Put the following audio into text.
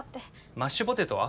マッシュポテトは？